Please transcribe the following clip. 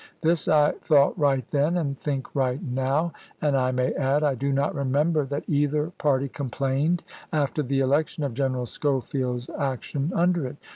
This I thought right then, and think right now ; and, I may add, I do not remember that either party complained after the election of General lujcoij^^o Schofield's action under it.